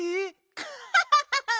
アハハハハ！